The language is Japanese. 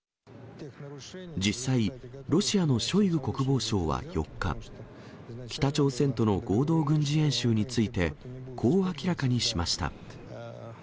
実際、ロシアのショイグ国防相は４日、北朝鮮との合同軍事演習について、こう明らかにしました。